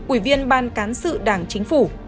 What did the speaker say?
ủy viên ban cán sự đảng chính phủ